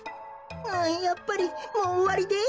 やっぱりもうおわりです。